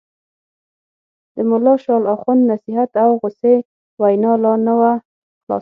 د ملا شال اخُند نصیحت او غوسې وینا لا نه وه خلاصه.